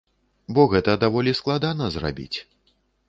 Бо гэта даволі складана зрабіць.